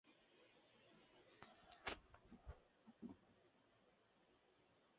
Una grave lesión le impidió continuar con su proyección futbolística.